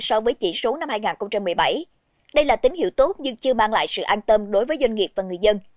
so với chỉ số năm hai nghìn một mươi bảy đây là tín hiệu tốt nhưng chưa mang lại sự an tâm đối với doanh nghiệp và người dân